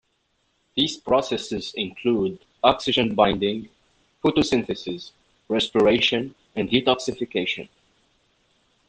These processes include oxygen binding, photosynthesis, respiration, and detoxification.